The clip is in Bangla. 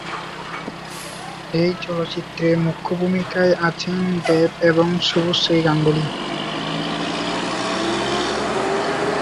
এই চলচ্চিত্রে মুখ্য ভূমিকায় আছেন দেব এবং শুভশ্রী গাঙ্গুলী।